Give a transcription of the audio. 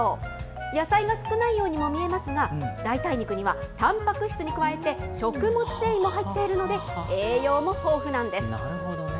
野菜が少ないようにも見えますが、代替肉にはたんぱく質に加えて、食物繊維も入っているので、栄養も豊富なんです。